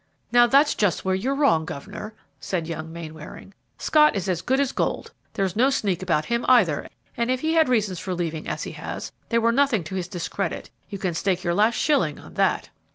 "Now, that's just where you're wrong, governor," said young Mainwaring. "Scott is as good as gold. There is no sneak about him, either; and if he had reasons for leaving as he has, they were nothing to his discredit; you can stake your last shilling on that!"